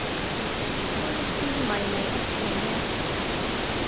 公司咪你屋企囉